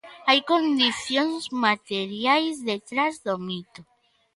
Hai condicións materiais detrás do mito.